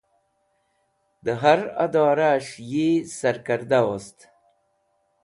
Dẽ har adoranẽs̃h yi sarkẽrda wost.